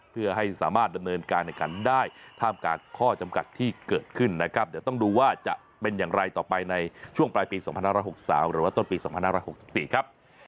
เพื่อให้สามารถดำเนินการแข่งขันได้ท่ามกลางข้อจำกัดที่เกิดขึ้นนะครับเดี๋ยวต้องดูว่าจะเป็นอย่างไรต่อไปในช่วงปลายปี๒๕๖๓หรือว่าต้นปี๒๕๖๔ครับ